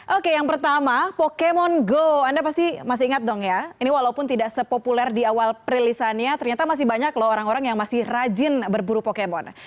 oke yang pertama pokemon go anda pasti masih ingat dong ya ini walaupun tidak sepopuler di awal perilisannya ternyata masih banyak loh orang orang yang masih rajin berburu pokemon